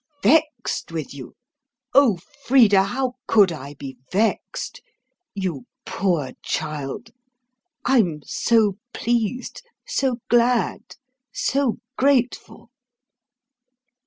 "Vexed with you! O Frida, how could I be vexed? You poor child! I'm so pleased, so glad, so grateful!"